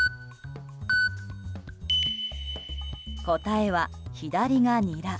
答えは左がニラ。